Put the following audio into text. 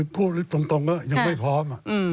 พูดดีกว่าตรงยังไม่พร้อม